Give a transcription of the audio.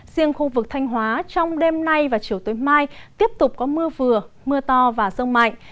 riêng khu vực thanh hóa trong đêm nay và chiều tối mai tiếp tục có mưa vừa mưa to và rông mạnh